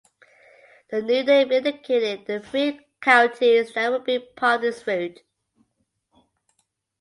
The new name indicated the three counties that would be part of its route.